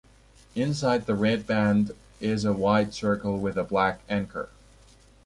Inside the red band is a white circle with a black anchor.